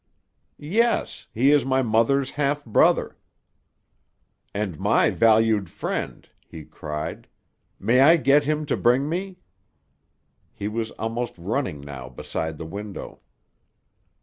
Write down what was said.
"Yes. He is my mother's half brother." "And my valued friend," he cried. "May I get him to bring me?" He was almost running now beside the window.